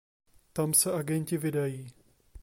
Tam se agenti vydají.